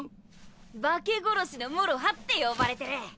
化け殺しのもろはって呼ばれてる。